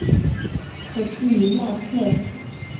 普西尼亚克。